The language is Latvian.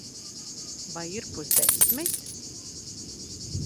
Vai ir pusdesmit?